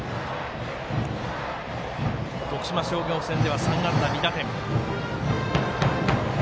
徳島商業戦では３安打２打点。